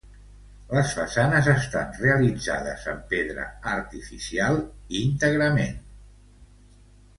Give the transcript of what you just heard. Les façanes estan realitzades en pedra artificial íntegrament.